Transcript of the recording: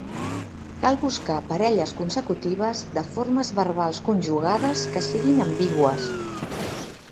Cal buscar parelles consecutives de formes verbals conjugades que siguin ambigües.